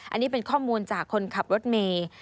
อันนี้เป็นข้อมูลจากคนขับรถเมย์